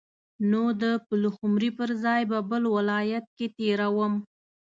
نو د پلخمري پر ځای به بل ولایت کې تیروم.